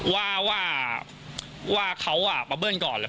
เอาโพสต์นั้นมาได้ยังไงครับว่า